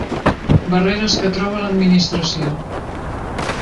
Barreres que troba l'administració.